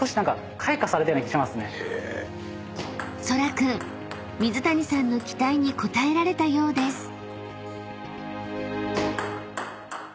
［そら君水谷さんの期待に応えられたようです］